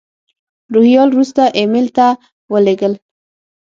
روهیال وروسته ایمیل ته را ولېږل.